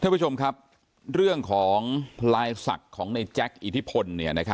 ท่านผู้ชมครับเรื่องของพลายศักดิ์ของในแจ๊คอิทธิพล